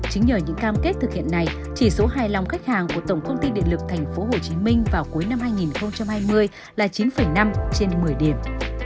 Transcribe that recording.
chính nhờ những cam kết thực hiện này chỉ số hài lòng khách hàng của tổng công ty điện lực tp hcm vào cuối năm hai nghìn hai mươi là chín năm trên một mươi điểm